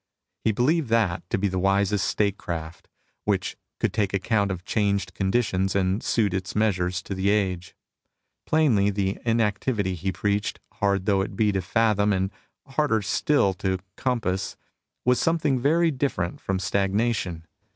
He believed that to be the wisest . statecraft, which could take account of changed conditions and suit its measures to the age. Plainly the in activity he preached, hard though it be to fathom and harder still to compass, was something very different from stagnation.